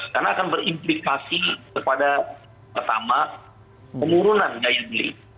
karena akan berimplikasi kepada pertama pengurunan daya beli